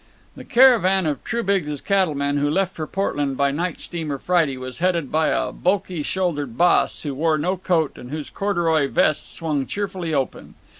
The caravan of Trubiggs's cattlemen who left for Portland by night steamer, Friday, was headed by a bulky shouldered boss, who wore no coat and whose corduroy vest swung cheerfully open.